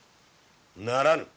ならぬ！